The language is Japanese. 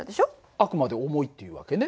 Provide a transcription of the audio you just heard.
あくまで重いって言う訳ね。